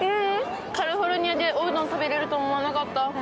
カリフォルニアでおうどんを食べれると思わなかった。